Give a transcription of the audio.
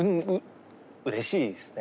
うれしいですね。